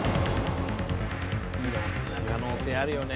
色んな可能性あるよね。